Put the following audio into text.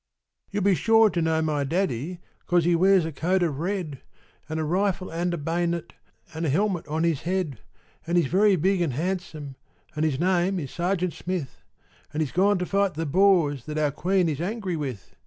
_) You'll be sure to know my daddy, 'Cause he wears a coat of red. An' a rifle, an' a bay'net, An' a helmet on his head. An' he's very big an' handsome, An' his name is Sergeant Smith, An' he's gone to fight the Boers That our Queen is angry with.